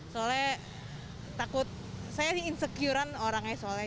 soalnya takut saya sih insecurean orangnya soalnya